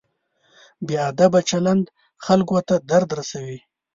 بې ادبه چلند خلکو ته درد رسوي.